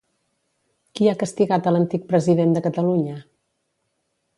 Qui ha castigat a l'antic president de Catalunya?